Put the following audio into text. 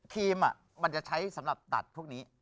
ครีมมันจะใช้สำหรับตัดพวกนี้